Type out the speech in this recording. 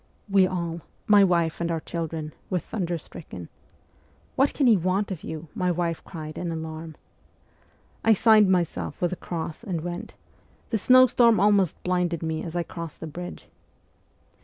" We all my wife and our children were thunderstricken. "What can he want of you?" my wife cried in alarm. I signed myself with the cross and went ; the snowstorm almost blinded me as I crossed the bridge.